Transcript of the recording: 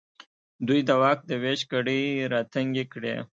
دوی د واک د وېش کړۍ راتنګې کړې.